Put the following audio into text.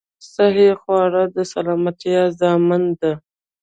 صحې خواړه د سلامتيا ضامن ده